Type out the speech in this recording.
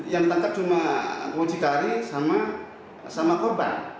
yang ditangkap cuma mucikari sama korban